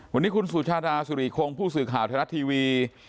วันนี้คุณสุชาดาสุริคงผู้สื่อข่าวไทยรัฐทีวี